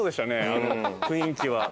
雰囲気は。